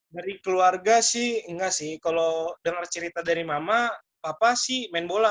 dari keluarga sih enggak sih kalau dengar cerita dari mama papa sih main bola